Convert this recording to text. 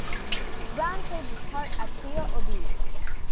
Brown played the part at Theo Ubique.